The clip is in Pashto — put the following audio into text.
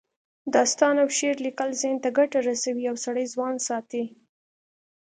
داستان او شعر لیکل ذهن ته ګټه رسوي او سړی ځوان ساتي